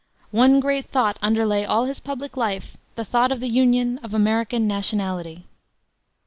One great thought underlay all his public life, the thought of the Union; of American nationality.